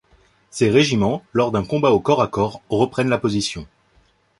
Ces régiments, lors d'un combat au corps à corps, reprennent la position.